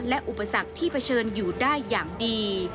และอุปสรรคที่เผชิญอยู่ได้อย่างดี